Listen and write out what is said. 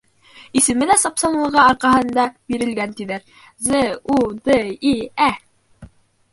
Исеме лә сапсанлығы арҡаһында бирелгән, тиҙәр: З-ү-д-и-ә!